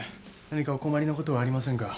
何かお困りのことはありませんか？